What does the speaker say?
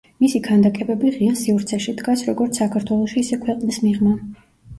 მისი ქანდაკებები ღია სივრცეში დგას როგორც საქართველოში, ისე ქვეყნის მიღმა.